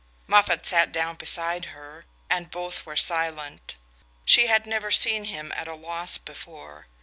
Moffatt sat down beside her, and both were silent. She had never seen him at a loss before.